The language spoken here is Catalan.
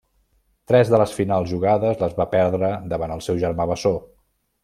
Tres de les finals jugades les va perdre davant el seu germà bessó.